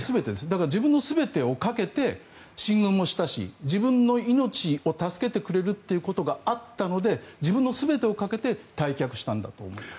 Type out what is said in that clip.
だから、自分の全てをかけて進軍もしたし自分の命を助けてくれるということがあったので自分の全てをかけて退却したんだと思います。